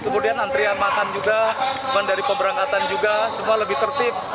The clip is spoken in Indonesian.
kemudian antrian makan juga dari pemberangkatan juga semua lebih tertib